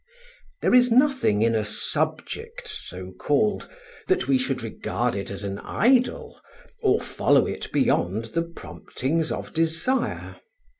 There is nothing in a subject, so called, that we should regard it as an idol, or follow it beyond the promptings of desire.